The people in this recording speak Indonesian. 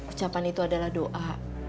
ucapan itu adalah doa